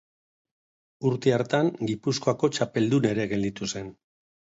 Urte hartan Gipuzkoako txapeldun ere gelditu zen.